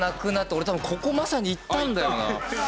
俺多分ここまさに行ったんだよな。